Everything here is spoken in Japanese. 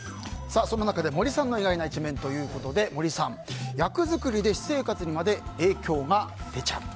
そんな中で森さんの意外な一面ということで森さん、役作りで私生活にまで影響が出ちゃうと。